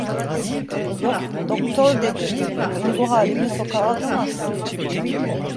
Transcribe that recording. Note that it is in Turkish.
Yok doktor dedi, "beni bu halimle sokağa atamazsın."